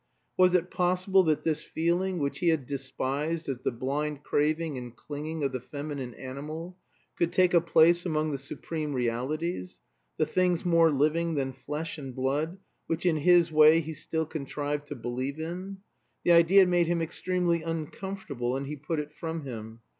Was it possible that this feeling, which he had despised as the blind craving and clinging of the feminine animal, could take a place among the supreme realities, the things more living than flesh and blood, which in his way he still contrived to believe in? The idea made him extremely uncomfortable, and he put it from him.